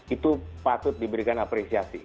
itu patut diberikan apresiasi